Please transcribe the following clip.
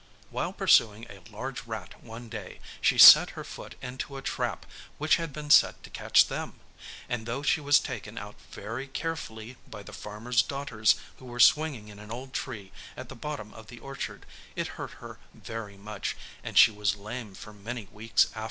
While pursuing a large rat one day, she set her foot into a trap which had been set to catch them, and though she was taken out very carefully by the farmer's daughters who were swinging in an old tree at the bottom of the orchard, it hurt her very much and she was lame for many weeks after.